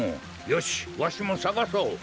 よしわしもさがそう。